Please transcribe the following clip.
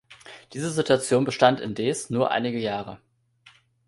Diese Situation bestand indes nur einige Jahre.